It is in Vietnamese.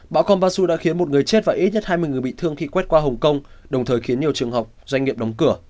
bão kon basu đã khiến một người chết và ít nhất hai mươi người bị thương khi quét qua hồng kông đồng thời khiến nhiều trường học doanh nghiệp đóng cửa